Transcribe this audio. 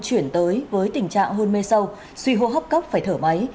chuyển tới với tình trạng hôn mê sâu suy hô hấp cấp phải thở máy